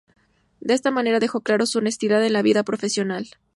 De esta manera dejó claro su honestidad en la vida profesional.